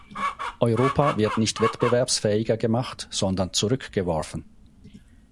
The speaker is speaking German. Europa wird nicht wettbewerbsfähiger gemacht, sondern zurückgeworfen.